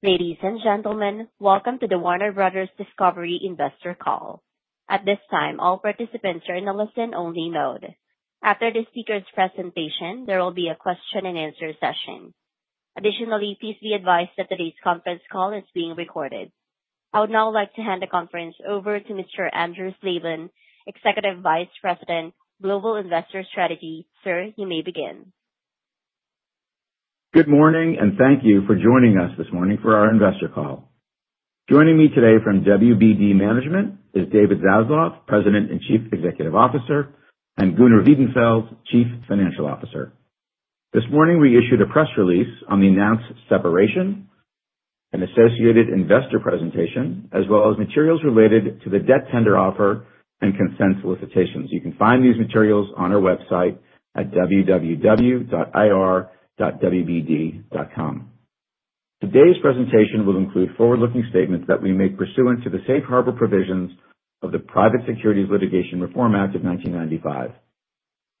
Ladies and gentlemen, welcome to the Warner Bros. Discovery Investor Call. At this time, all participants are in a listen-only mode. After this speaker's presentation, there will be a question-and-answer session. Additionally, please be advised that today's conference call is being recorded. I would now like to hand the conference over to Mr. Andrew Slabin, Executive Vice President, Global Investor Strategy. Sir, you may begin. Good morning, and thank you for joining us this morning for our investor call. Joining me today from WBD Management is David Zaslav, President and Chief Executive Officer, and Gunnar Wiedenfels, Chief Financial Officer. This morning, we issued a press release on the announced separation, an associated investor presentation, as well as materials related to the debt tender offer and consent solicitations. You can find these materials on our website at www.ir.wbd.com. Today's presentation will include forward-looking statements that we make pursuant to the safe harbor provisions of the Private Securities Litigation Reform Act of 1995.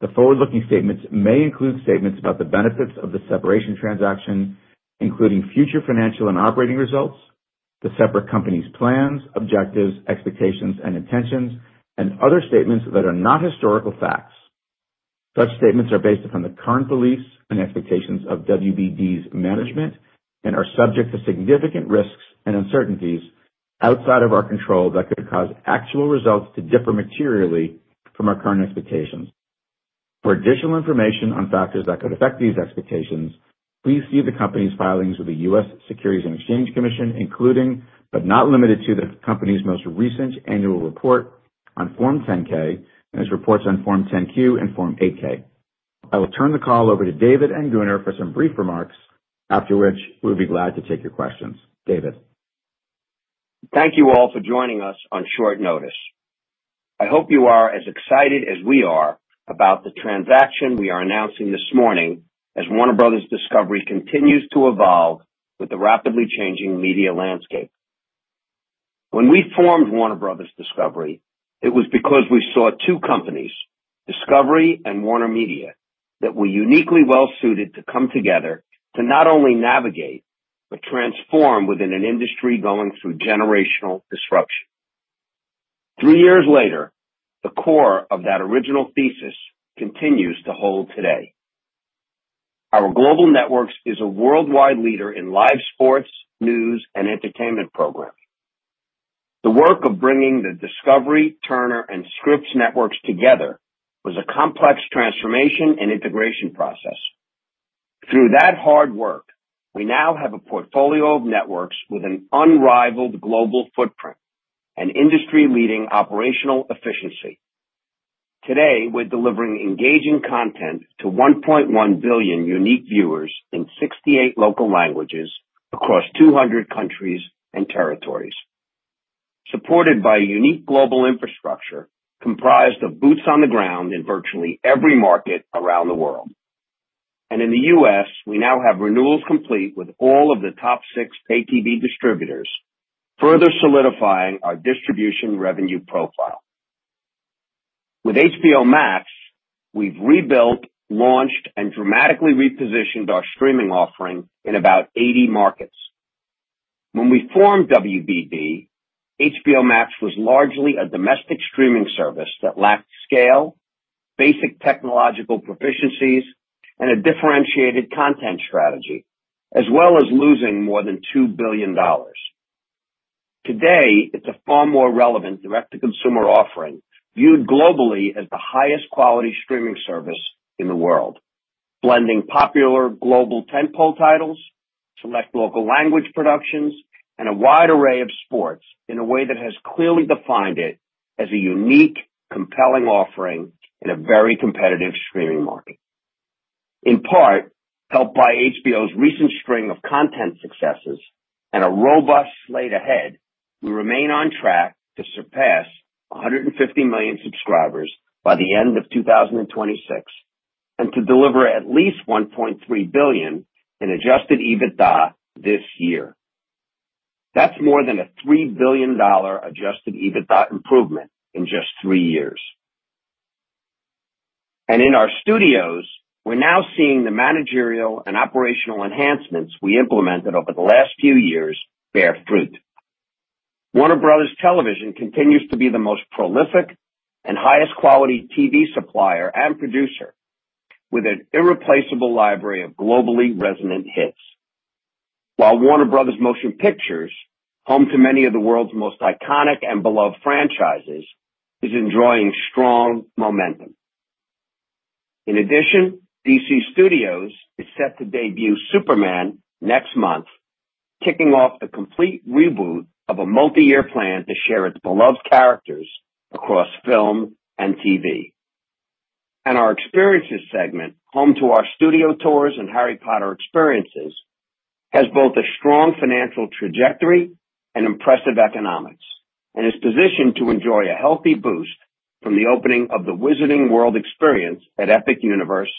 The forward-looking statements may include statements about the benefits of the separation transaction, including future financial and operating results, the separate companies' plans, objectives, expectations, and intentions, and other statements that are not historical facts. Such statements are based upon the current beliefs and expectations of WBD's management and are subject to significant risks and uncertainties outside of our control that could cause actual results to differ materially from our current expectations. For additional information on factors that could affect these expectations, please see the company's filings with the U.S. Securities and Exchange Commission, including, but not limited to, the company's most recent annual report on Form 10-K and its reports on Form 10-Q and Form 8-K. I will turn the call over to David and Gunnar for some brief remarks, after which we'll be glad to take your questions. David. Thank you all for joining us on short notice. I hope you are as excited as we are about the transaction we are announcing this morning as Warner Bros. Discovery continues to evolve with the rapidly changing media landscape. When we formed Warner Bros. Discovery, it was because we saw two companies, Discovery and WarnerMedia, that were uniquely well-suited to come together to not only navigate but transform within an industry going through generational disruption. Three years later, the core of that original thesis continues to hold today. Our global networks is a worldwide leader in live sports, news, and entertainment programming. The work of bringing the Discovery, Turner, and Scripps Networks together was a complex transformation and integration process. Through that hard work, we now have a portfolio of networks with an unrivaled global footprint and industry-leading operational efficiency. Today, we're delivering engaging content to 1.1 billion unique viewers in 68 local languages across 200 countries and territories, supported by a unique global infrastructure comprised of boots on the ground in virtually every market around the world. In the U.S., we now have renewals complete with all of the top six pay-TV distributors, further solidifying our distribution revenue profile. With HBO Max, we've rebuilt, launched, and dramatically repositioned our streaming offering in about 80 markets. When we formed WBD, HBO Max was largely a domestic streaming service that lacked scale, basic technological proficiencies, and a differentiated content strategy, as well as losing more than $2 billion. Today, it's a far more relevant direct-to-consumer offering viewed globally as the highest-quality streaming service in the world, blending popular global tentpole titles, select local language productions, and a wide array of sports in a way that has clearly defined it as a unique, compelling offering in a very competitive streaming market. In part, helped by HBO's recent string of content successes and a robust slate ahead, we remain on track to surpass 150 million subscribers by the end of 2026 and to deliver at least $1.3 billion in adjusted EBITDA this year. That's more than a $3 billion adjusted EBITDA improvement in just three years. In our studios, we're now seeing the managerial and operational enhancements we implemented over the last few years bear fruit. Warner Bros. Television continues to be the most prolific and highest-quality TV supplier and producer, with an irreplaceable library of globally resonant hits, while Warner Bros. Motion Pictures, home to many of the world's most iconic and beloved franchises, is enjoying strong momentum. In addition, DC Studios is set to debut Superman next month, kicking off the complete reboot of a multi-year plan to share its beloved characters across film and TV. Our Experiences segment, home to our studio tours and Harry Potter experiences, has both a strong financial trajectory and impressive economics and is positioned to enjoy a healthy boost from the opening of the Wizarding World experience at Epic Universe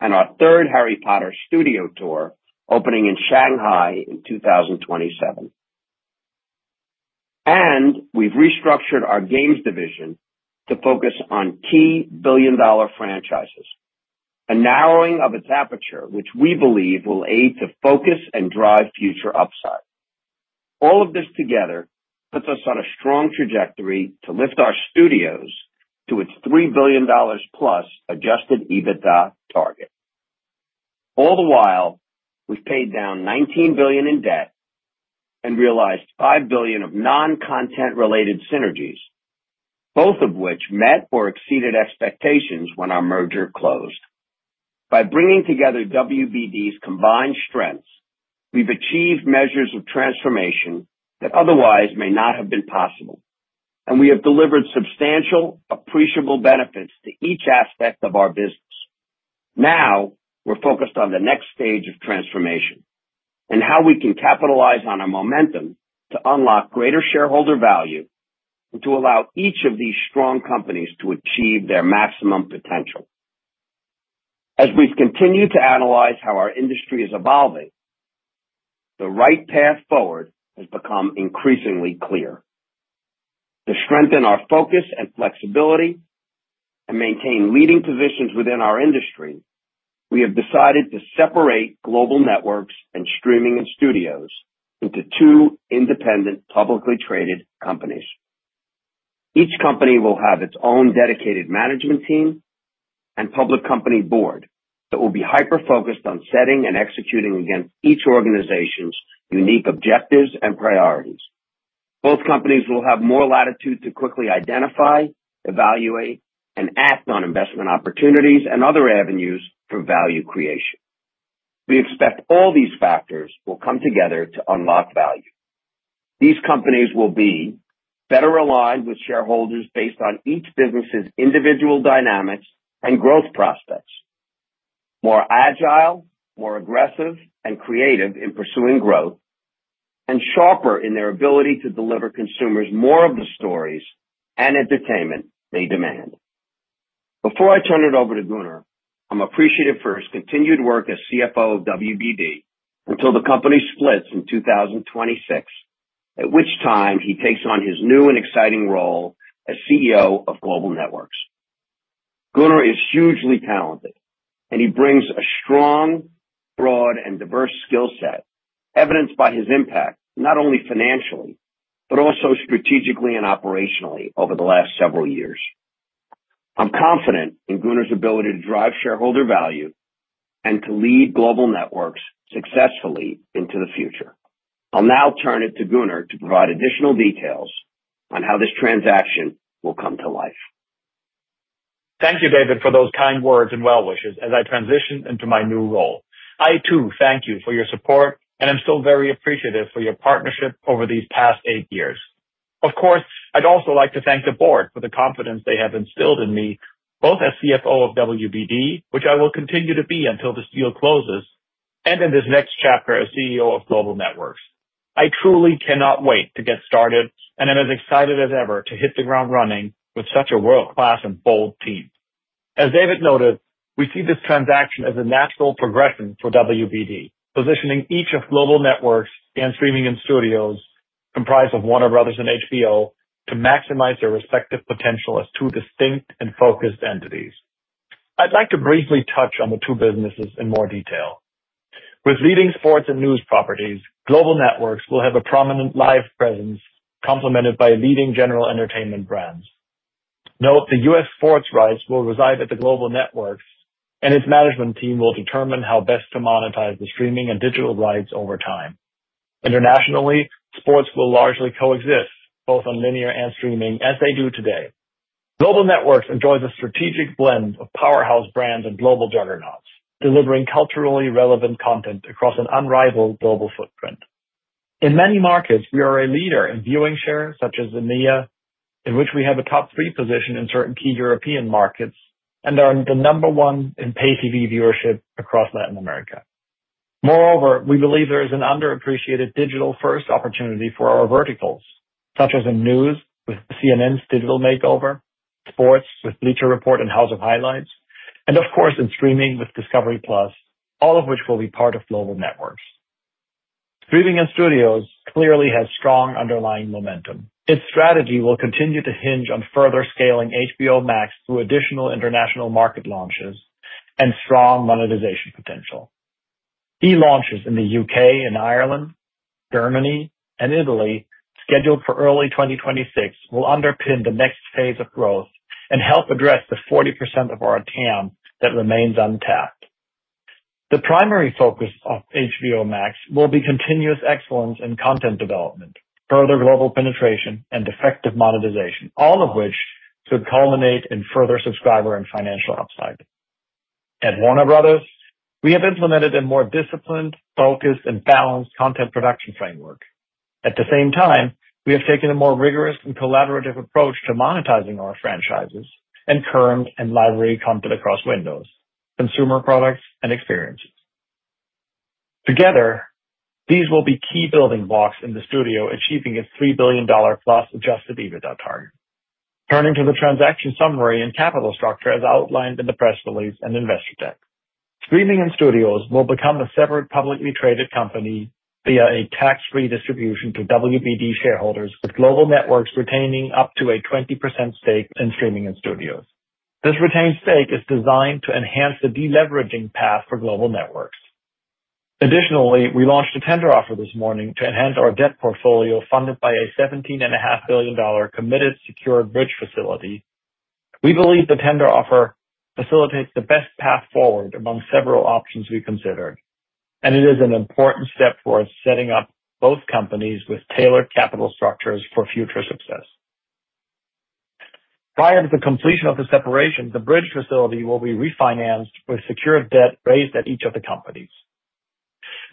and our third Harry Potter studio tour opening in Shanghai in 2027. We have restructured our games division to focus on key billion-dollar franchises, a narrowing of its aperture, which we believe will aid to focus and drive future upside. All of this together puts us on a strong trajectory to lift our studios to its $3 billion-plus adjusted EBITDA target. All the while, we have paid down $19 billion in debt and realized $5 billion of non-content-related synergies, both of which met or exceeded expectations when our merger closed. By bringing together WBD's combined strengths, we have achieved measures of transformation that otherwise may not have been possible, and we have delivered substantial, appreciable benefits to each aspect of our business. Now, we are focused on the next stage of transformation and how we can capitalize on our momentum to unlock greater shareholder value and to allow each of these strong companies to achieve their maximum potential. As we've continued to analyze how our industry is evolving, the right path forward has become increasingly clear. To strengthen our focus and flexibility and maintain leading positions within our industry, we have decided to separate Global Networks and Streaming and Studios into two independent publicly traded companies. Each company will have its own dedicated management team and public company board that will be hyper-focused on setting and executing against each organization's unique objectives and priorities. Both companies will have more latitude to quickly identify, evaluate, and act on investment opportunities and other avenues for value creation. We expect all these factors will come together to unlock value. These companies will be better aligned with shareholders based on each business's individual dynamics and growth prospects, more agile, more aggressive, and creative in pursuing growth, and sharper in their ability to deliver consumers more of the stories and entertainment they demand. Before I turn it over to Gunnar, I'm appreciative for his continued work as CFO of WBD until the company splits in 2026, at which time he takes on his new and exciting role as CEO of Global Networks. Gunnar is hugely talented, and he brings a strong, broad, and diverse skill set, evidenced by his impact not only financially but also strategically and operationally over the last several years. I'm confident in Gunnar's ability to drive shareholder value and to lead Global Networks successfully into the future. I'll now turn it to Gunnar to provide additional details on how this transaction will come to life. Thank you, David, for those kind words and well-wishes as I transition into my new role. I, too, thank you for your support, and I'm still very appreciative for your partnership over these past eight years. Of course, I'd also like to thank the board for the confidence they have instilled in me, both as CFO of WBD, which I will continue to be until the deal closes, and in this next chapter as CEO of Global Networks. I truly cannot wait to get started, and I'm as excited as ever to hit the ground running with such a world-class and bold team. As David noted, we see this transaction as a natural progression for WBD, positioning each of Global Networks and streaming studios, comprised of Warner Bros. and HBO, to maximize their respective potential as two distinct and focused entities. I'd like to briefly touch on the two businesses in more detail. With leading sports and news properties, Global Networks will have a prominent live presence complemented by leading general entertainment brands. Note, the U.S. sports rights will reside at the Global Networks, and its management team will determine how best to monetize the streaming and digital rights over time. Internationally, sports will largely coexist both on linear and streaming as they do today. Global Networks enjoys a strategic blend of powerhouse brands and global juggernauts, delivering culturally relevant content across an unrivaled global footprint. In many markets, we are a leader in viewing shares such as the NIA, in which we have a top three position in certain key European markets and are the number one in pay-TV viewership across Latin America. Moreover, we believe there is an underappreciated digital-first opportunity for our verticals, such as in news with CNN's Digital Makeover, Sports with Bleacher Report and House of Highlights, and, of course, in streaming with Discovery+, all of which will be part of Global Networks. Streaming and studios clearly have strong underlying momentum. Its strategy will continue to hinge on further scaling HBO Max through additional international market launches and strong monetization potential. Key launches in the U.K. and Ireland, Germany, and Italy scheduled for early 2026 will underpin the next phase of growth and help address the 40% of our TAM that remains untapped. The primary focus of HBO Max will be continuous excellence in content development, further global penetration, and effective monetization, all of which could culminate in further subscriber and financial upside. At Warner Bros., we have implemented a more disciplined, focused, and balanced content production framework. At the same time, we have taken a more rigorous and collaborative approach to monetizing our franchises and current and library content across windows, consumer products, and experiences. Together, these will be key building blocks in the studio achieving its $3 billion-plus adjusted EBITDA target. Turning to the transaction summary and capital structure as outlined in the press release and investor deck, Streaming and Studios will become a separate publicly traded company via a tax-free distribution to WBD shareholders, with Global Networks retaining up to a 20% stake in Streaming and Studios. This retained stake is designed to enhance the deleveraging path for Global Networks. Additionally, we launched a tender offer this morning to enhance our debt portfolio funded by a $17.5 billion committed secure bridge facility. We believe the tender offer facilitates the best path forward among several options we considered, and it is an important step towards setting up both companies with tailored capital structures for future success. Prior to the completion of the separation, the bridge facility will be refinanced with secured debt raised at each of the companies.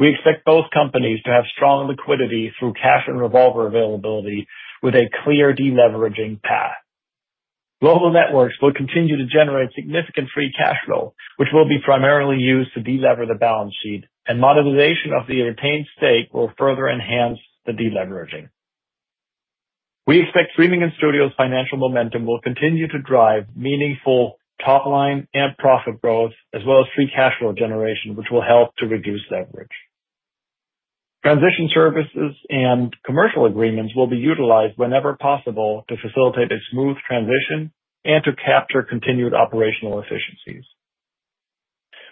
We expect both companies to have strong liquidity through cash and revolver availability with a clear deleveraging path. Global Networks will continue to generate significant free cash flow, which will be primarily used to delever the balance sheet, and monetization of the retained stake will further enhance the deleveraging. We expect Streaming and Studios' financial momentum will continue to drive meaningful top-line and profit growth, as well as free cash flow generation, which will help to reduce leverage. Transition services and commercial agreements will be utilized whenever possible to facilitate a smooth transition and to capture continued operational efficiencies.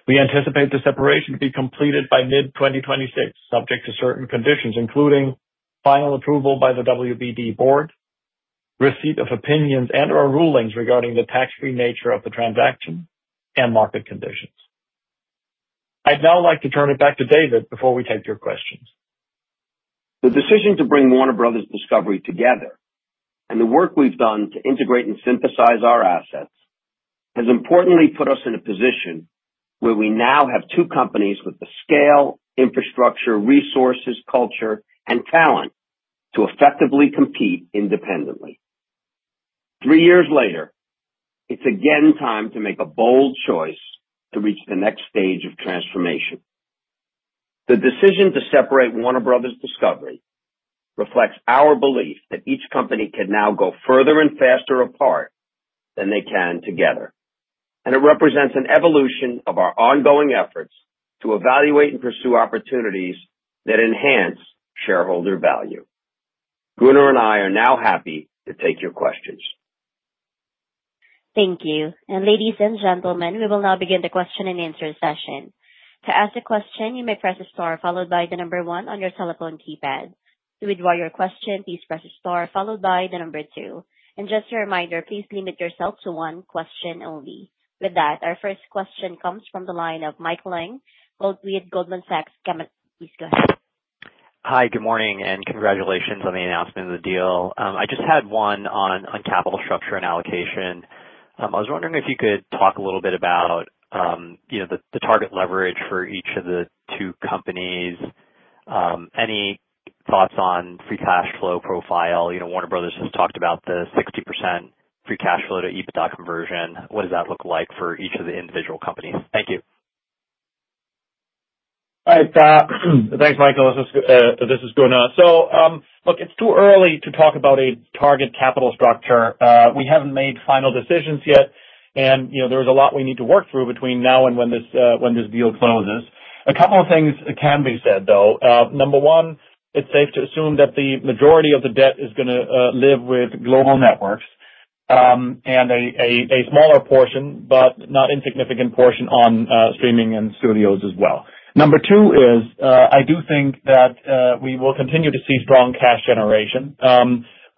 We anticipate the separation to be completed by mid-2026, subject to certain conditions, including final approval by the WBD board, receipt of opinions and/or rulings regarding the tax-free nature of the transaction, and market conditions. I'd now like to turn it back to David before we take your questions. The decision to bring Warner Bros. Discovery together and the work we've done to integrate and synthesize our assets has importantly put us in a position where we now have two companies with the scale, infrastructure, resources, culture, and talent to effectively compete independently. Three years later, it's again time to make a bold choice to reach the next stage of transformation. The decision to separate Warner Bros. Discovery reflects our belief that each company can now go further and faster apart than they can together, and it represents an evolution of our ongoing efforts to evaluate and pursue opportunities that enhance shareholder value. Gunnar and I are now happy to take your questions. Thank you. Ladies and gentlemen, we will now begin the question and answer session. To ask a question, you may press star followed by the number one on your telephone keypad. To withdraw your question, please press star followed by the number two. Just a reminder, please limit yourself to one question only. With that, our first question comes from the line of Michael Ng, Goldman Sachs. Please go ahead. Hi, good morning, and congratulations on the announcement of the deal. I just had one on capital structure and allocation. I was wondering if you could talk a little bit about the target leverage for each of the two companies. Any thoughts on free cash flow profile? Warner Bros. just talked about the 60% free cash flow to EBITDA conversion. What does that look like for each of the individual companies? Thank you. Thanks, Michael. This is Gunnar. Look, it's too early to talk about a target capital structure. We haven't made final decisions yet, and there is a lot we need to work through between now and when this deal closes. A couple of things can be said, though. Number one, it's safe to assume that the majority of the debt is going to live with Global Networks and a smaller portion, but not insignificant portion, on Streaming and Studios as well. Number two is I do think that we will continue to see strong cash generation,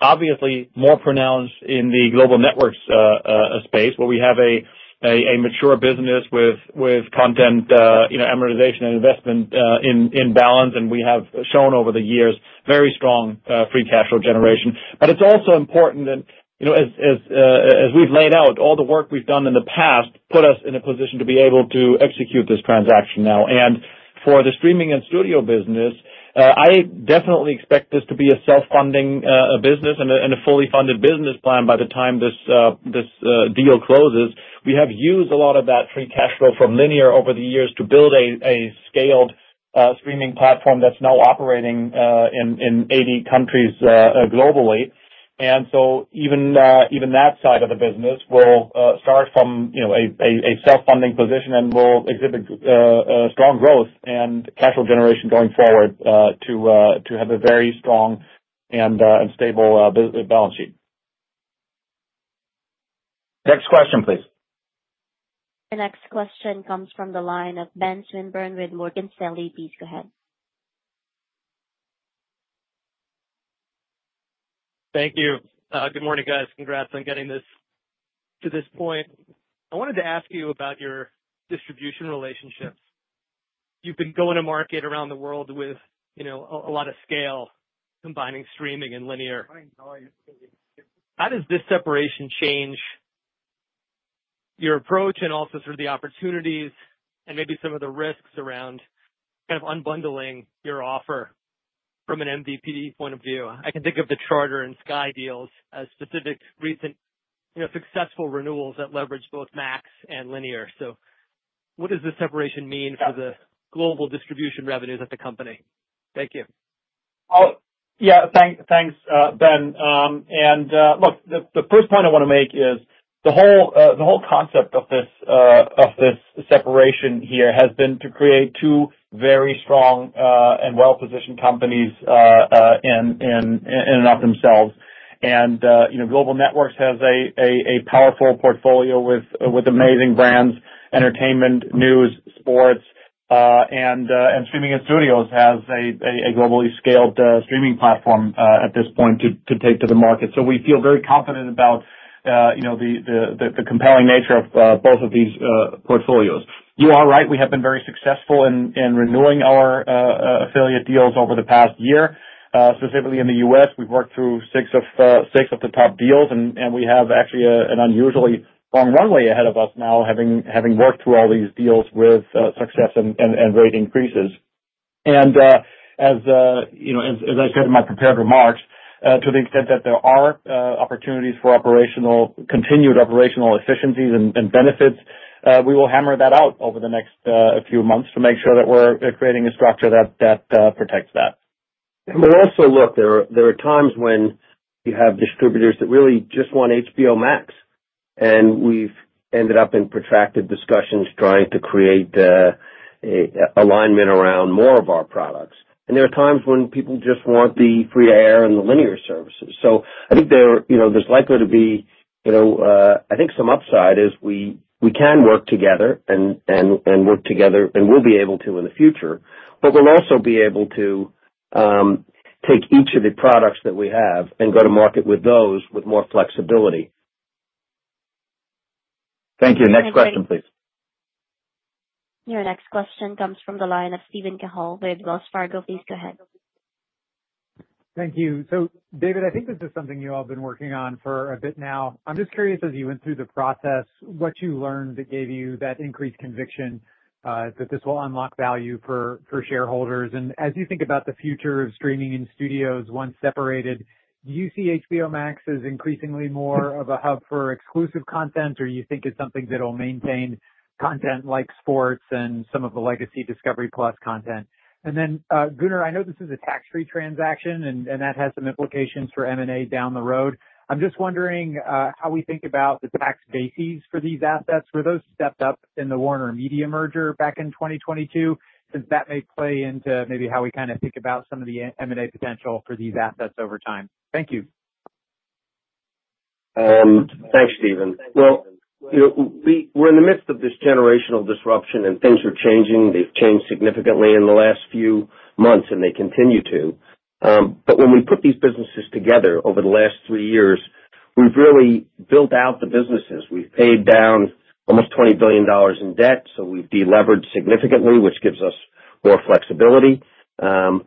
obviously more pronounced in the Global Networks space where we have a mature business with content amortization and investment in balance, and we have shown over the years very strong free cash flow generation. It's also important that, as we've laid out, all the work we've done in the past put us in a position to be able to execute this transaction now. For the streaming and studio business, I definitely expect this to be a self-funding business and a fully funded business plan by the time this deal closes. We have used a lot of that free cash flow from linear over the years to build a scaled streaming platform that's now operating in 80 countries globally. Even that side of the business will start from a self-funding position and will exhibit strong growth and cash flow generation going forward to have a very strong and stable balance sheet. Next question, please. The next question comes from the line of Ben Swinburne with Morgan Stanley. Please go ahead. Thank you. Good morning, guys. Congrats on getting this to this point. I wanted to ask you about your distribution relationships. You've been going to market around the world with a lot of scale, combining streaming and linear. How does this separation change your approach and also sort of the opportunities and maybe some of the risks around kind of unbundling your offer from an MVP point of view? I can think of the Charter and Sky deals as specific recent successful renewals that leverage both Max and linear. What does this separation mean for the global distribution revenues at the company? Thank you. Yeah, thanks, Ben. The first point I want to make is the whole concept of this separation here has been to create two very strong and well-positioned companies in and of themselves. Global Networks has a powerful portfolio with amazing brands, entertainment, news, sports, and Streaming and Studios has a globally scaled streaming platform at this point to take to the market. We feel very confident about the compelling nature of both of these portfolios. You are right. We have been very successful in renewing our affiliate deals over the past year. Specifically in the U.S., we have worked through six of the top deals, and we have actually an unusually long runway ahead of us now, having worked through all these deals with success and rate increases. As I said in my prepared remarks, to the extent that there are opportunities for continued operational efficiencies and benefits, we will hammer that out over the next few months to make sure that we are creating a structure that protects that. We will also look. There are times when you have distributors that really just want HBO Max, and we have ended up in protracted discussions trying to create alignment around more of our products. There are times when people just want the free air and the linear services. I think there is likely to be, I think, some upside as we can work together and we will be able to in the future, but we will also be able to take each of the products that we have and go to market with those with more flexibility. Thank you. Next question, please. Your next question comes from the line of Steven Cahall with Wells Fargo. Please go ahead. Thank you. David, I think this is something you all have been working on for a bit now. I'm just curious, as you went through the process, what you learned that gave you that increased conviction that this will unlock value for shareholders. As you think about the future of streaming and studios once separated, do you see HBO Max as increasingly more of a hub for exclusive content, or do you think it's something that will maintain content like sports and some of the legacy Discovery+ content? Gunnar, I know this is a tax-free transaction, and that has some implications for M&A down the road. I'm just wondering how we think about the tax bases for these assets. Were those stepped up in the WarnerMedia merger back in 2022? That may play into maybe how we kind of think about some of the M&A potential for these assets over time. Thank you. Thanks, Steven. We are in the midst of this generational disruption, and things are changing. They have changed significantly in the last few months, and they continue to. When we put these businesses together over the last three years, we have really built out the businesses. We have paid down almost $20 billion in debt, so we have deleveraged significantly, which gives us more flexibility. HBO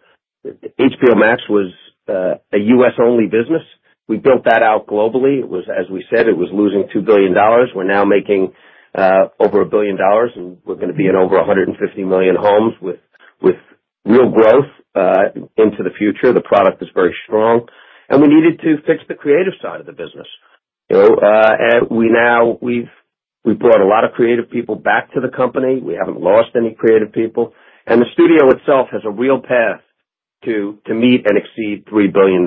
Max was a U.S.-only business. We built that out globally. As we said, it was losing $2 billion. We are now making over $1 billion, and we are going to be in over 150 million homes with real growth into the future. The product is very strong, and we needed to fix the creative side of the business. We brought a lot of creative people back to the company. We have not lost any creative people. The studio itself has a real path to meet and exceed $3 billion.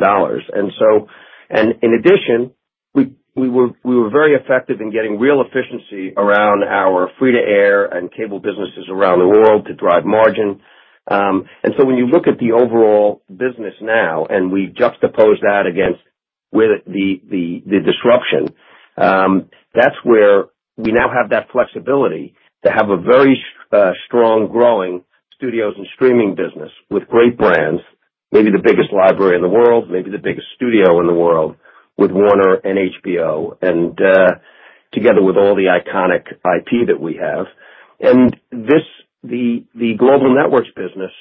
In addition, we were very effective in getting real efficiency around our free-to-air and cable businesses around the world to drive margin. When you look at the overall business now, and we juxtapose that against the disruption, that is where we now have that flexibility to have a very strong growing studios and streaming business with great brands, maybe the biggest library in the world, maybe the biggest studio in the world with Warner and HBO, and together with all the iconic IP that we have. The Global Networks business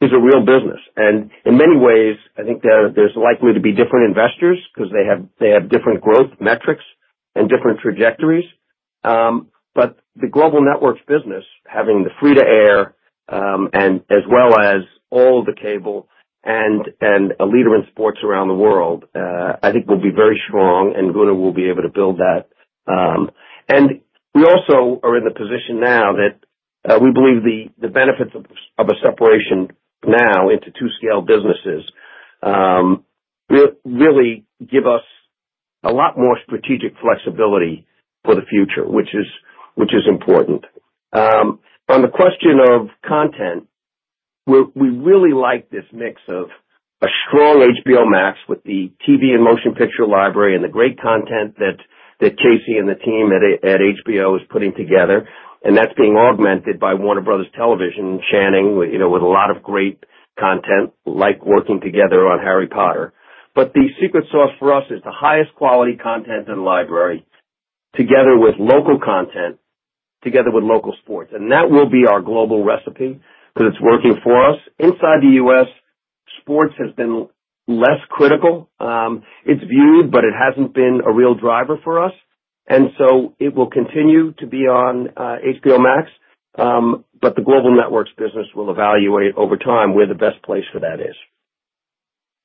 is a real business. In many ways, I think there is likely to be different investors because they have different growth metrics and different trajectories. The Global Networks business, having the free-to-air as well as all the cable and a leader in sports around the world, I think will be very strong, and Gunnar will be able to build that. We also are in the position now that we believe the benefits of a separation now into two scaled businesses really give us a lot more strategic flexibility for the future, which is important. On the question of content, we really like this mix of a strong HBO Max with the TV and motion picture library and the great content that Casey and the team at HBO is putting together, and that's being augmented by Warner Bros. Television and Channing with a lot of great content, like working together on Harry Potter. The secret sauce for us is the highest quality content and library together with local content, together with local sports. That will be our global recipe because it's working for us. Inside the U.S., sports has been less critical. It's viewed, but it hasn't been a real driver for us. It will continue to be on HBO Max, but the Global Networks business will evaluate over time where the best place for that is.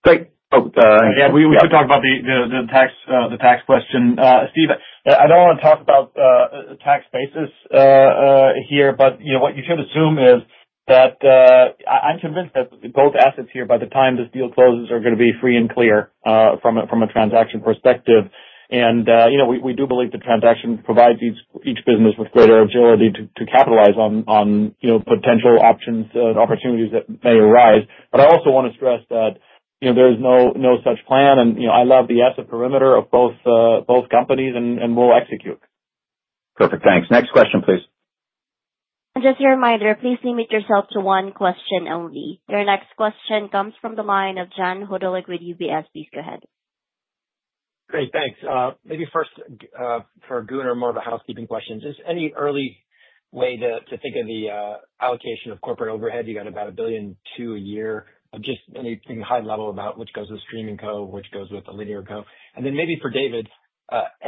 We could talk about the tax question. Steve, I don't want to talk about tax bases here, but what you should assume is that I'm convinced that both assets here, by the time this deal closes, are going to be free and clear from a transaction perspective. We do believe the transaction provides each business with greater agility to capitalize on potential options and opportunities that may arise. I also want to stress that there is no such plan, and I love the asset perimeter of both companies, and we'll execute. Perfect. Thanks. Next question, please. Just a reminder, please limit yourself to one question only. Your next question comes from the line of John Hodulik with UBS. Please go ahead. Great. Thanks. Maybe first for Gunnar, more of a housekeeping question. Just any early way to think of the allocation of corporate overhead? You got about $1 billion to a year of just anything high level about which goes with streaming co, which goes with the linear co. And then maybe for David,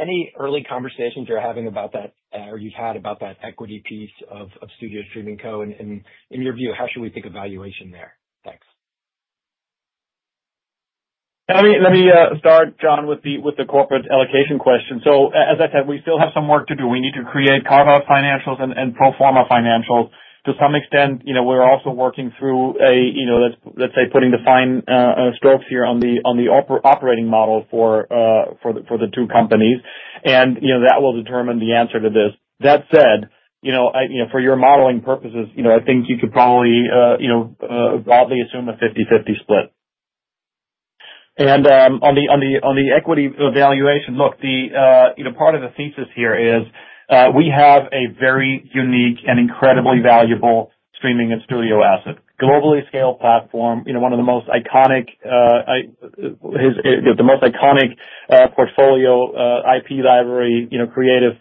any early conversations you're having about that or you've had about that equity piece of studio streaming co? And in your view, how should we think of valuation there? Thanks. Let me start, John, with the corporate allocation question. As I said, we still have some work to do. We need to create carve-out financials and pro forma financials. To some extent, we're also working through a, let's say, putting the fine strokes here on the operating model for the two companies, and that will determine the answer to this. That said, for your modeling purposes, I think you could probably broadly assume a 50/50 split. On the equity valuation, look, part of the thesis here is we have a very unique and incredibly valuable streaming and studio asset, globally scaled platform, one of the most iconic portfolio IP library, creative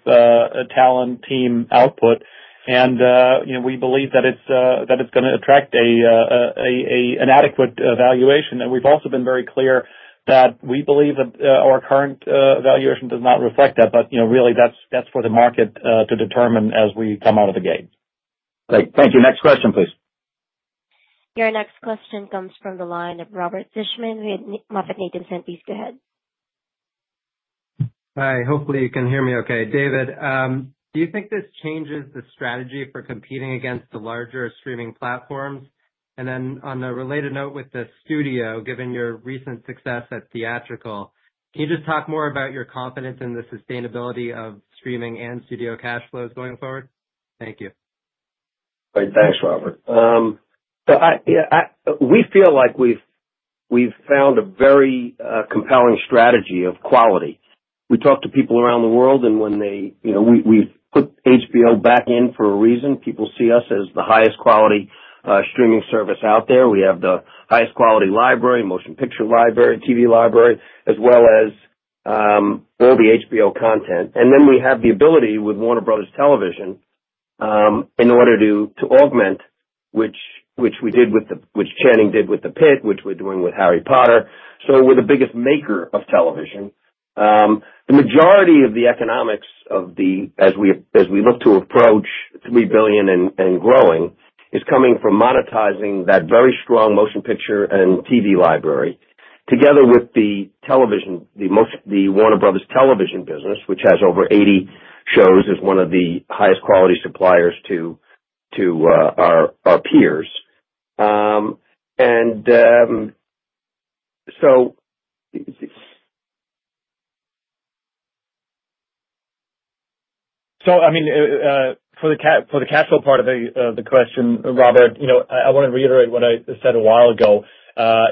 talent team output. We believe that it's going to attract an adequate valuation. We have also been very clear that we believe that our current valuation does not reflect that, but really, that is for the market to determine as we come out of the gate. Thank you. Next question, please. Your next question comes from the line of Robert Fishman with MoffettNathanson. Please go ahead. Hi. Hopefully, you can hear me okay. David, do you think this changes the strategy for competing against the larger streaming platforms? On a related note with the studio, given your recent success at Theatrical, can you just talk more about your confidence in the sustainability of streaming and studio cash flows going forward? Thank you. Great. Thanks, Robert. We feel like we've found a very compelling strategy of quality. We talk to people around the world, and when we've put HBO back in for a reason, people see us as the highest quality streaming service out there. We have the highest quality library, motion picture library, TV library, as well as all the HBO content. We have the ability with Warner Bros. Television in order to augment, which we did with the, which Channing did with the Pit, which we're doing with Harry Potter. We're the biggest maker of television. The majority of the economics of the, as we look to approach $3 billion and growing, is coming from monetizing that very strong motion picture and TV library together with the television, the Warner Bros. Television business, which has over 80 shows, is one of the highest quality suppliers to our peers. I mean, for the cash flow part of the question, Robert, I want to reiterate what I said a while ago.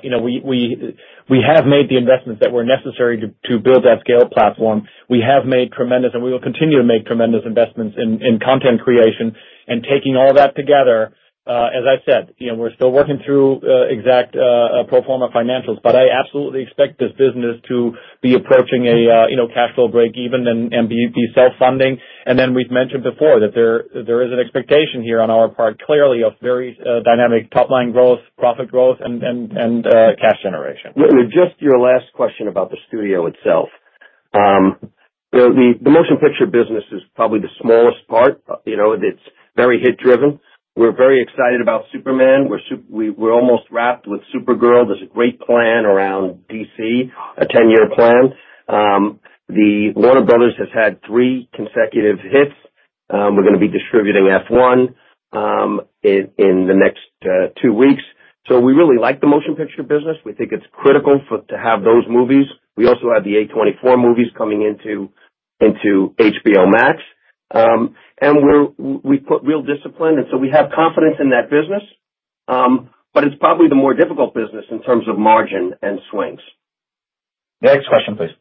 We have made the investments that were necessary to build that scale platform. We have made tremendous, and we will continue to make tremendous investments in content creation. Taking all that together, as I said, we're still working through exact pro forma financials, but I absolutely expect this business to be approaching a cash flow break even and be self-funding. We have mentioned before that there is an expectation here on our part, clearly, of very dynamic top-line growth, profit growth, and cash generation. Just your last question about the studio itself. The motion picture business is probably the smallest part. It's very hit-driven. We're very excited about Superman. We're almost wrapped with Supergirl. There's a great plan around DC, a 10-year plan. Warner Bros. has had three consecutive hits. We're going to be distributing F1 in the next two weeks. We really like the motion picture business. We think it's critical to have those movies. We also have the A24 movies coming into HBO Max. We put real discipline, and we have confidence in that business, but it's probably the more difficult business in terms of margin and swings. Next question, please.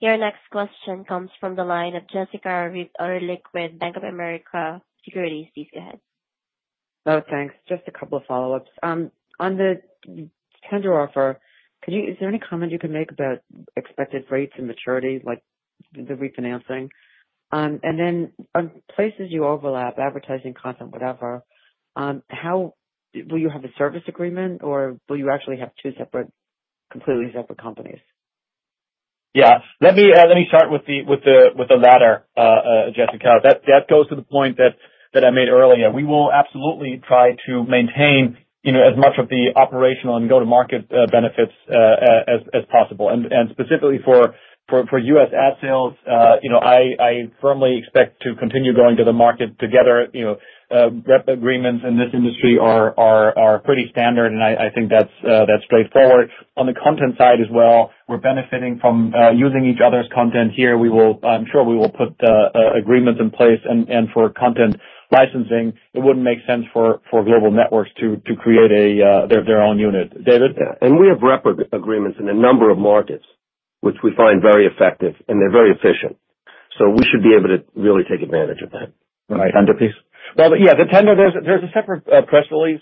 Your next question comes from the line of Jessica Reif Ehrlich with Bank of America Securities. Please go ahead. Oh, thanks. Just a couple of follow-ups. On the tender offer, is there any comment you can make about expected rates and maturity, like the refinancing? And then on places you overlap advertising content, whatever, will you have a service agreement, or will you actually have two completely separate companies? Yeah. Let me start with the latter, Jessica. That goes to the point that I made earlier. We will absolutely try to maintain as much of the operational and go-to-market benefits as possible. Specifically for U.S. ad sales, I firmly expect to continue going to the market together. Rep agreements in this industry are pretty standard, and I think that's straightforward. On the content side as well, we're benefiting from using each other's content here. I'm sure we will put agreements in place. For content licensing, it wouldn't make sense for Global Networks to create their own unit. David? We have rep agreements in a number of markets, which we find very effective, and they're very efficient. We should be able to really take advantage of that. Right. Tender piece? The Tender, there is a separate press release,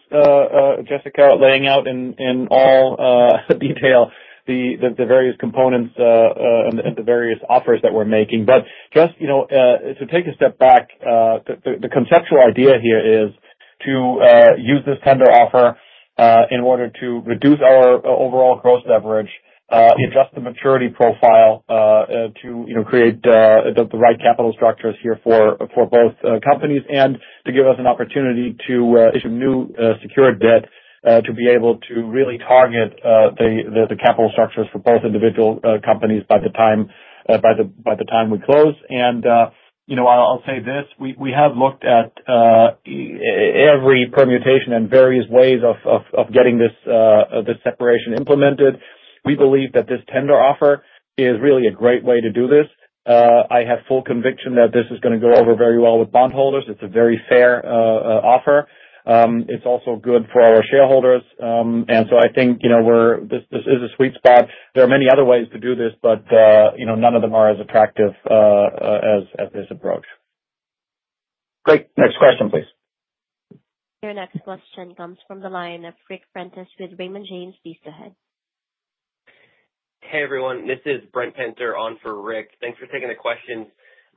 Jessica, laying out in all detail the various components and the various offers that we are making. Just to take a step back, the conceptual idea here is to use this tender offer in order to reduce our overall gross leverage, adjust the maturity profile to create the right capital structures here for both companies, and to give us an opportunity to issue new secured debt to be able to really target the capital structures for both individual companies by the time we close. I will say this: we have looked at every permutation and various ways of getting this separation implemented. We believe that this tender offer is really a great way to do this. I have full conviction that this is going to go over very well with bondholders. It is a very fair offer. It's also good for our shareholders. I think this is a sweet spot. There are many other ways to do this, but none of them are as attractive as this approach. Great. Next question, please. Your next question comes from the line of Ric Prentiss with Raymond James. Please go ahead. Hey, everyone. This is Brent Penter, on for Ric. Thanks for taking the questions.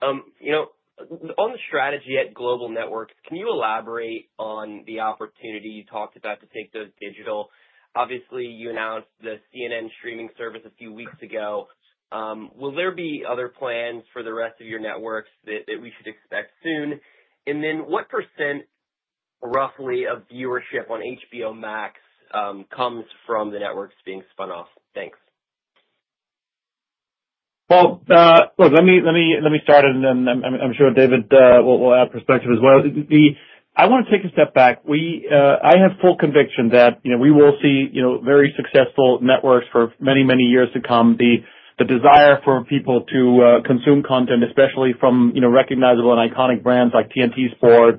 On the strategy at Global Networks, can you elaborate on the opportunity you talked about to take those digital? Obviously, you announced the CNN streaming service a few weeks ago. Will there be other plans for the rest of your networks that we should expect soon? What percent, roughly, of viewership on HBO Max comes from the networks being spun off? Thanks. Let me start, and then I am sure David will add perspective as well. I want to take a step back. I have full conviction that we will see very successful networks for many, many years to come. The desire for people to consume content, especially from recognizable and iconic brands like TNT Sports,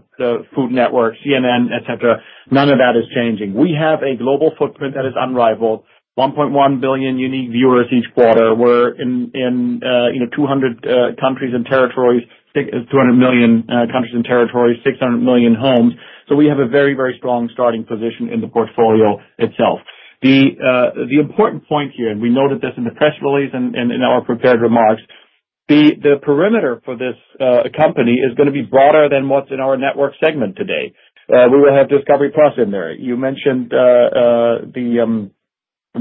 Food Network, CNN, etc., none of that is changing. We have a global footprint that is unrivaled: 1.1 billion unique viewers each quarter. We are in 200 countries and territories, 600 million homes. We have a very, very strong starting position in the portfolio itself. The important point here, and we noted this in the press release and in our prepared remarks, the perimeter for this company is going to be broader than what is in our network segment today. We will have Discovery+ in there. You mentioned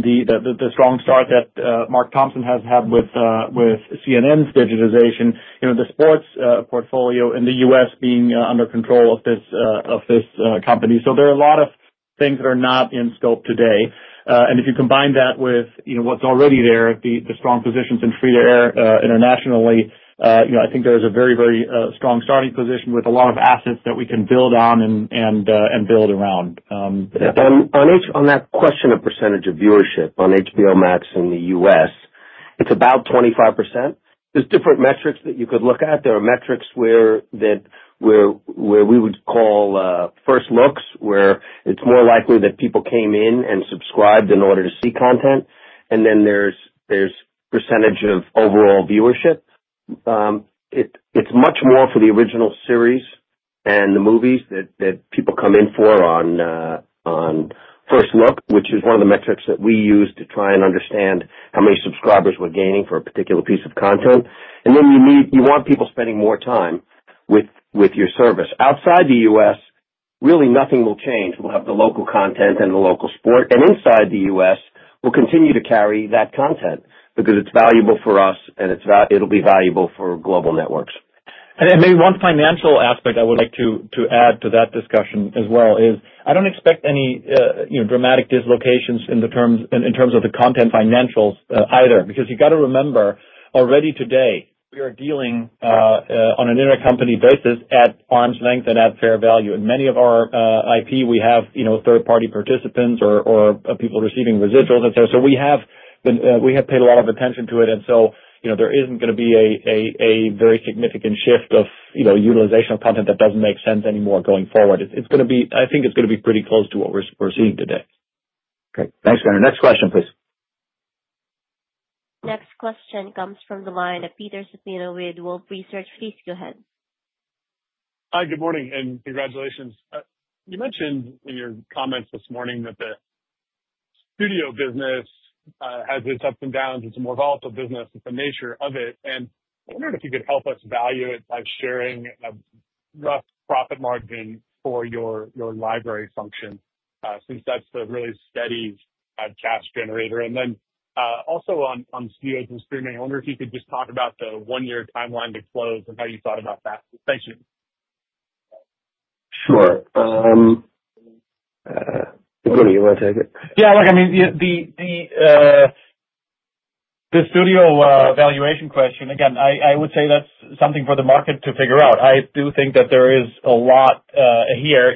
the strong start that Mark Thompson has had with CNN's digitization, the sports portfolio in the U.S. being under control of this company. There are a lot of things that are not in scope today. If you combine that with what's already there, the strong positions in Freedom Air internationally, I think there is a very, very strong starting position with a lot of assets that we can build on and build around. On that question of percentage of viewership on HBO Max in the U.S., it's about 25%. There's different metrics that you could look at. There are metrics where we would call first looks, where it's more likely that people came in and subscribed in order to see content. And then there's percentage of overall viewership. It's much more for the original series and the movies that people come in for on first look, which is one of the metrics that we use to try and understand how many subscribers we're gaining for a particular piece of content. And then you want people spending more time with your service. Outside the U.S., really nothing will change. We'll have the local content and the local sport. Inside the U.S., we'll continue to carry that content because it's valuable for us, and it'll be valuable for Global Networks. Maybe one financial aspect I would like to add to that discussion as well is I do not expect any dramatic dislocations in terms of the content financials either because you have got to remember already today, we are dealing on an intercompany basis at arm's length and at fair value. Many of our IP, we have third-party participants or people receiving residuals that is there. We have paid a lot of attention to it. There is not going to be a very significant shift of utilization of content that does not make sense anymore going forward. I think it is going to be pretty close to what we are seeing today. Great. Thanks, Brent. Next question, please. Next question comes from the line of Peter Supino with Wolfe Research. Please go ahead. Hi, good morning, and congratulations. You mentioned in your comments this morning that the studio business has its ups and downs. It's a more volatile business, the nature of it. I wondered if you could help us value it by sharing a rough profit margin for your library function since that's the really steady cash generator. Also, on studios and streaming, I wonder if you could just talk about the one-year timeline to close and how you thought about that. Thank you. Sure. Good. You want to take it? Yeah. I mean, the studio valuation question, again, I would say that's something for the market to figure out. I do think that there is a lot here.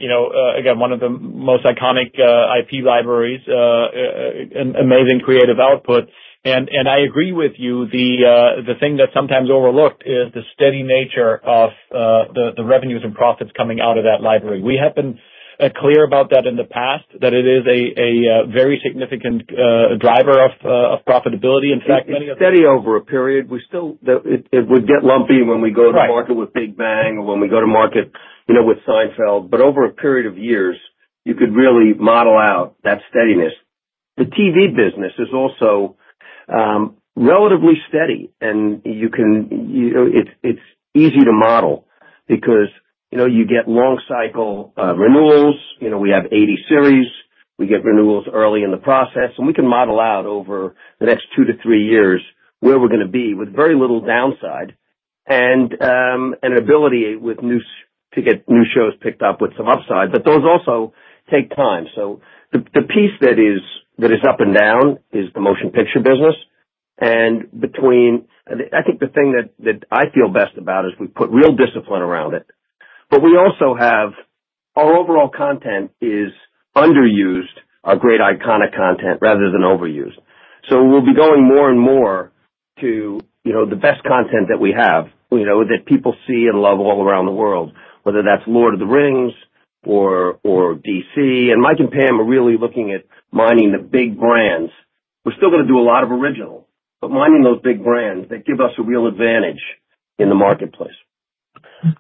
Again, one of the most iconic IP libraries, amazing creative output. I agree with you. The thing that's sometimes overlooked is the steady nature of the revenues and profits coming out of that library. We have been clear about that in the past, that it is a very significant driver of profitability. In fact. Steady over a period. It would get lumpy when we go to market with Big Bang or when we go to market with Seinfeld. Over a period of years, you could really model out that steadiness. The TV business is also relatively steady, and it is easy to model because you get long-cycle renewals. We have 80 series. We get renewals early in the process. We can model out over the next two to three years where we are going to be with very little downside and an ability to get new shows picked up with some upside. Those also take time. The piece that is up and down is the motion picture business. I think the thing that I feel best about is we put real discipline around it. We also have our overall content is underused or great iconic content rather than overused. We will be going more and more to the best content that we have that people see and love all around the world, whether that's Lord of the Rings or DC. Mike and Pam are really looking at mining the big brands. We are still going to do a lot of original, but mining those big brands, they give us a real advantage in the marketplace.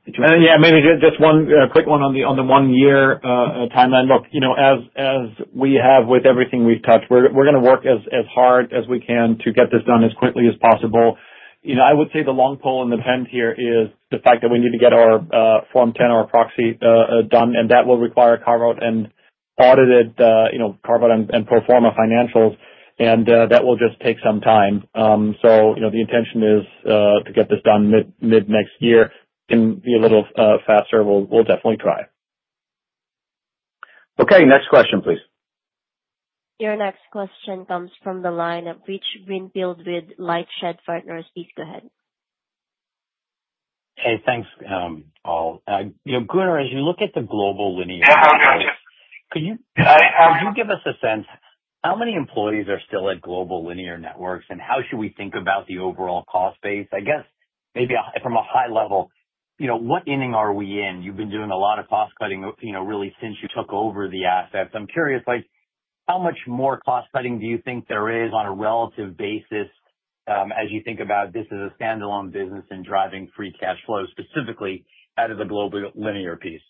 Yeah. Maybe just one quick one on the one-year timeline. Look, as we have with everything we've touched, we're going to work as hard as we can to get this done as quickly as possible. I would say the long pole in the tent here is the fact that we need to get our Form 10 or proxy done, and that will require carve-out and audited carve-out and pro forma financials. That will just take some time. The intention is to get this done mid-next year. It can be a little faster. We'll definitely try. Okay. Next question, please. Your next question comes from the line of Rich Greenfield with LightShed Partners. Please go ahead. Hey, thanks, Paul. Gunnar, as you look at the Global Linear Networks, could you give us a sense of how many employees are still at Global Linear Networks, and how should we think about the overall cost base? I guess maybe from a high level, what inning are we in? You've been doing a lot of cost-cutting really since you took over the assets. I'm curious, how much more cost-cutting do you think there is on a relative basis as you think about this as a standalone business and driving free cash flow specifically out of the global linear piece?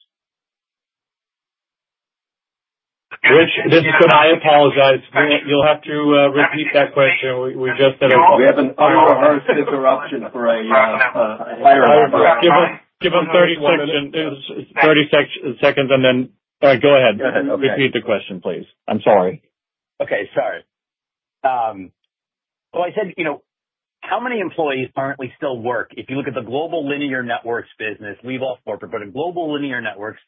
Rich, this is good. I apologize. You'll have to repeat that question. We just had a call. We have an hour or so interruption for a fire alarm. Give him 30 seconds, and then go ahead. Repeat the question, please. I'm sorry. Okay. Sorry. I said, how many employees currently still work? If you look at the Global Linear Networks business, leave off corporate, but at Global Linear Networks,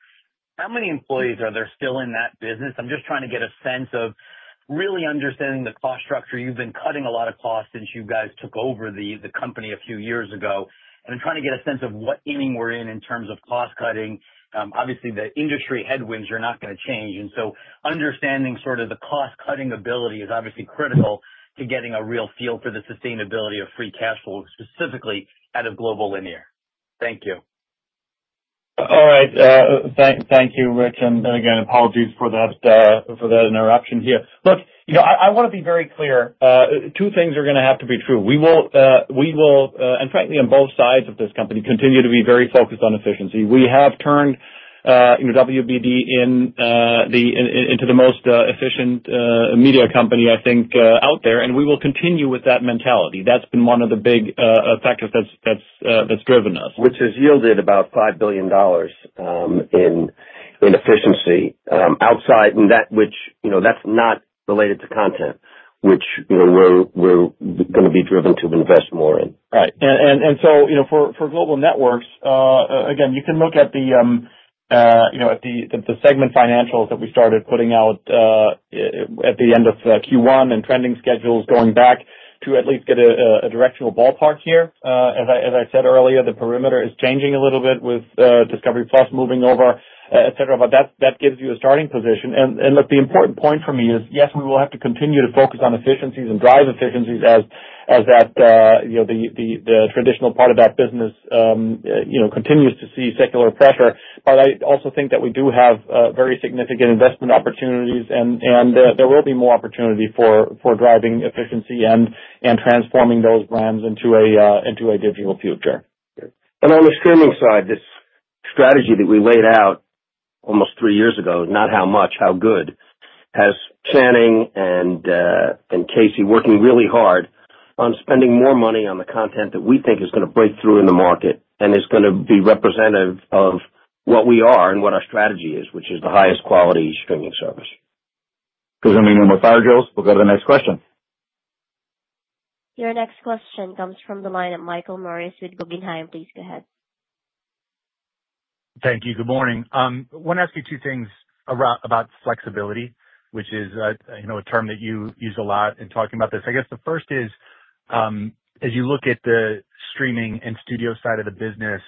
how many employees are there still in that business? I'm just trying to get a sense of really understanding the cost structure. You've been cutting a lot of costs since you guys took over the company a few years ago. I'm trying to get a sense of what inning we're in in terms of cost-cutting. Obviously, the industry headwinds are not going to change. Understanding sort of the cost-cutting ability is obviously critical to getting a real feel for the sustainability of free cash flow, specifically out of Global Linear. Thank you. All right. Thank you, Rich. Again, apologies for that interruption here. Look, I want to be very clear. Two things are going to have to be true. We will, and frankly, on both sides of this company, continue to be very focused on efficiency. We have turned WBD into the most efficient media company, I think, out there. We will continue with that mentality. That's been one of the big factors that's driven us. Which has yielded about $5 billion in efficiency outside, and that's not related to content, which we're going to be driven to invest more in. Right. For Global Networks, again, you can look at the segment financials that we started putting out at the end of Q1 and trending schedules going back to at least get a directional ballpark here. As I said earlier, the perimeter is changing a little bit with Discovery+ moving over, etc. That gives you a starting position. The important point for me is, yes, we will have to continue to focus on efficiencies and drive efficiencies as the traditional part of that business continues to see secular pressure. I also think that we do have very significant investment opportunities, and there will be more opportunity for driving efficiency and transforming those brands into a digital future. On the streaming side, this strategy that we laid out almost three years ago, not how much, how good, has Channing and Casey working really hard on spending more money on the content that we think is going to break through in the market and is going to be representative of what we are and what our strategy is, which is the highest quality streaming service. Because I mean, we're fire drills. We'll go to the next question. Your next question comes from the line of Michael Morris with Guggenheim. Please go ahead. Thank you. Good morning. I want to ask you two things about flexibility, which is a term that you use a lot in talking about this. I guess the first is, as you look at the streaming and studio side of the business,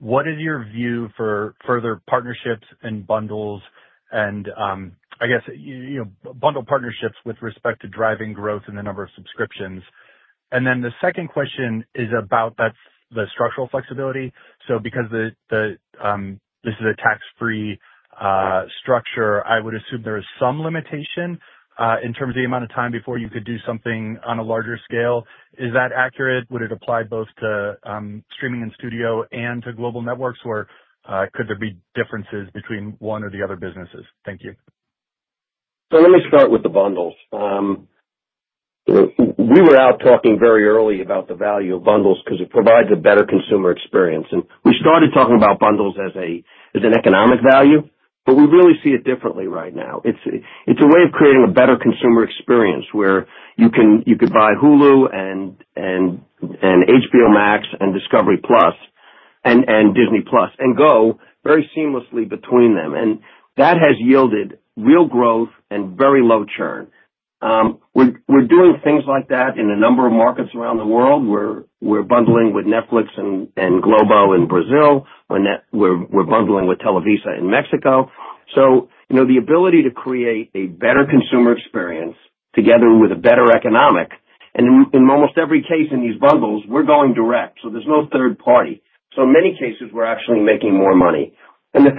what is your view for further partnerships and bundles? I guess bundle partnerships with respect to driving growth and the number of subscriptions. The second question is about the structural flexibility. Because this is a tax-free structure, I would assume there is some limitation in terms of the amount of time before you could do something on a larger scale. Is that accurate? Would it apply both to streaming and studio and to Global Networks, or could there be differences between one or the other businesses? Thank you. Let me start with the bundles. We were out talking very early about the value of bundles because it provides a better consumer experience. We started talking about bundles as an economic value, but we really see it differently right now. It's a way of creating a better consumer experience where you could buy Hulu and HBO Max and Discovery+ and Disney+ and go very seamlessly between them. That has yielded real growth and very low churn. We're doing things like that in a number of markets around the world. We're bundling with Netflix and Globo in Brazil. We're bundling with Televisa in Mexico. The ability to create a better consumer experience together with a better economic. In almost every case in these bundles, we're going direct. There's no third party. In many cases, we're actually making more money. The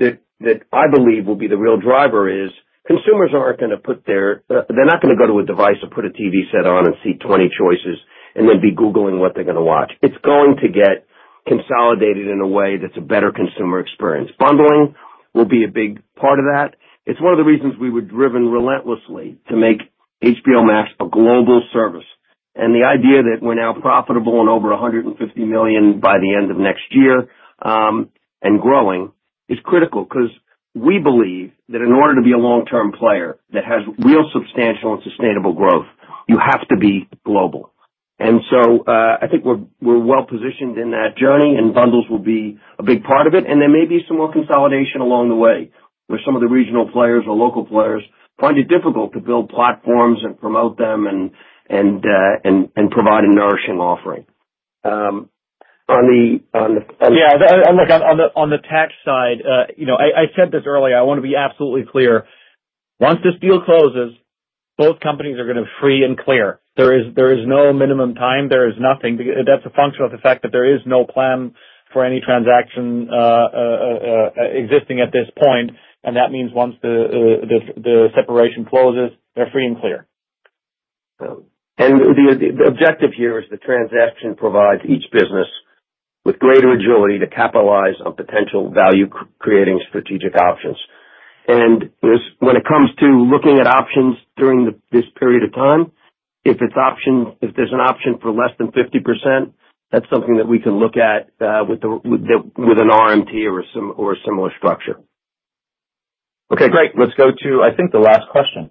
thing that I believe will be the real driver is consumers are not going to put their—they are not going to go to a device and put a TV set on and see 20 choices and then be Googling what they are going to watch. It is going to get consolidated in a way that is a better consumer experience. Bundling will be a big part of that. It is one of the reasons we were driven relentlessly to make HBO Max a global service. The idea that we are now profitable and over 150 million by the end of next year and growing is critical because we believe that in order to be a long-term player that has real substantial and sustainable growth, you have to be global. I think we are well positioned in that journey, and bundles will be a big part of it. There may be some more consolidation along the way where some of the regional players or local players find it difficult to build platforms and promote them and provide a nourishing offering. Yeah. Look, on the tax side, I said this earlier. I want to be absolutely clear. Once this deal closes, both companies are going to be free and clear. There is no minimum time. There is nothing. That is a function of the fact that there is no plan for any transaction existing at this point. That means once the separation closes, they are free and clear. The objective here is the transaction provides each business with greater agility to capitalize on potential value-creating strategic options. When it comes to looking at options during this period of time, if there's an option for less than 50%, that's something that we can look at with an RMT or a similar structure. Okay. Great. Let's go to, I think, the last question.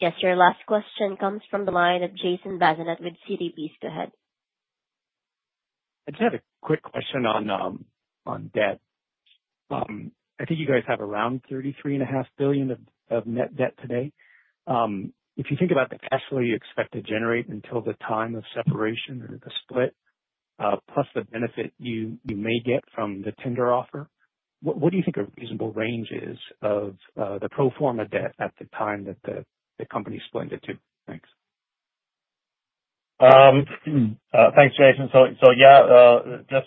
Yes. Your last question comes from the line of Jason Bazinet with CDBs. Go ahead. I just had a quick question on debt. I think you guys have around $33.5 billion of net debt today. If you think about the cash flow you expect to generate until the time of separation or the split, plus the benefit you may get from the tender offer, what do you think a reasonable range is of the pro forma debt at the time that the company is split into? Thanks. Thanks, Jason. Yeah,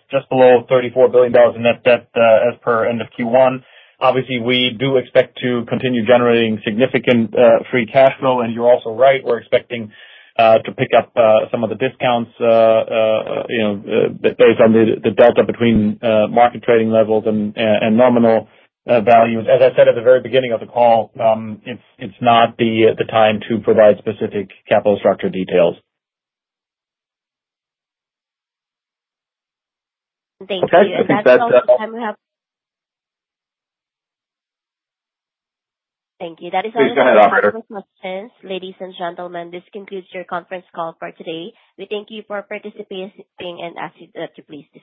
just below $34 billion in net debt as per end of Q1. Obviously, we do expect to continue generating significant free cash flow. You're also right. We're expecting to pick up some of the discounts based on the delta between market trading levels and nominal values. As I said at the very beginning of the call, it's not the time to provide specific capital structure details. Thank you. That's all the time we have. Thank you. That is all the time for this question. Ladies and gentlemen, this concludes your conference call for today. We thank you for participating and asking that you please.